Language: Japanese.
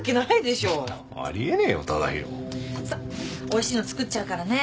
おいしいの作っちゃうからね。